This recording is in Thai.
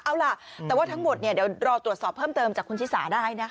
เอาล่ะแต่ว่าทั้งหมดเดี๋ยวรอตรวจสอบเพิ่มเติมจากคุณชิสาได้นะคะ